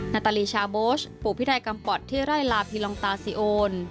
นาตาลีชาโบชผู้พิไทยกำปอดที่ไร่ลาพิลองตาซิโอล